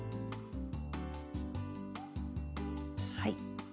はい。